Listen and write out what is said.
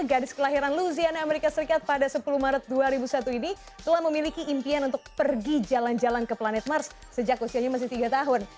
gadis kelahiran luziana amerika serikat pada sepuluh maret dua ribu satu ini telah memiliki impian untuk pergi jalan jalan ke planet mars sejak usianya masih tiga tahun